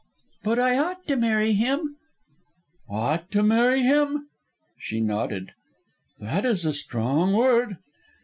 "But I ought to marry him." "OUGHT to marry him?" She nodded. "That is a strong word."